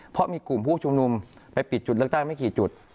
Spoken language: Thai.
เพราะมีกลุ่มผู้ชุมนุมไปปิดจุดเลือกตั้งไม่กี่จุด